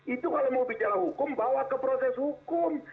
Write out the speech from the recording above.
itu kalau mau bicara hukum bawa ke proses hukum